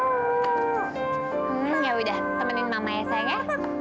hmm yaudah temenin mama ya sayang ya